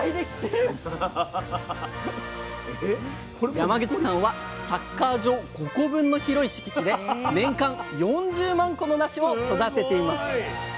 山口さんはサッカー場５個分の広い敷地で年間４０万個のなしを育てています。